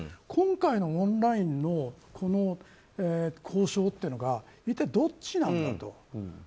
今回のオンラインの交渉っていうのが一体どっちなんだと。